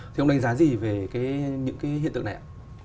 thì ông đánh giá gì về những cái hiện tượng này ạ